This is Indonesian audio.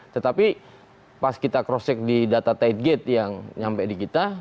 tetapi pas kita cross check di data tide gate yang nyampe di kita